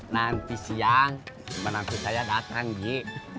nanti siang teman teman saya datang ji